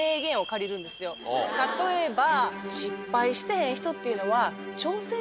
例えば。